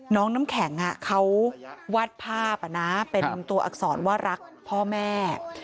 น้องน้ำแข็งอ่ะเขาวาดภาพอ่ะนะเป็นตัวอักษรว่ารักพ่อแม่